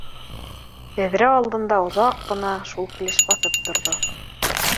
Тәҙрә алдында оҙаҡ ҡына шул килеш баҫып торҙо